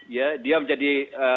ya dia menjadi